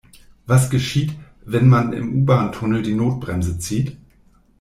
Was geschieht, wenn man im U-Bahntunnel die Notbremse zieht?